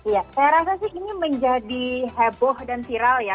ya saya rasa sih ini menjadi heboh dan viral ya